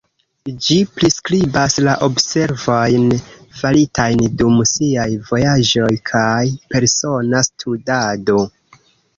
Ĝi priskribas la observojn faritajn dum siaj vojaĝoj kaj persona studado.